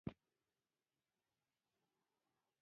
ښارونه د ځانګړې جغرافیې استازیتوب کوي.